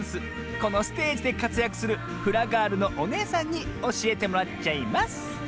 このステージでかつやくするフラガールのおねえさんにおしえてもらっちゃいます